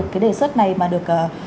cái đề xuất này mà được